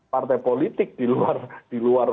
partai politik di luar